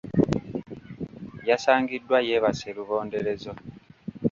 Yasangiddwa yeebase lubonderezo.